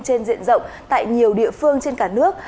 trên diện rộng tại nhiều địa phương trên cả nước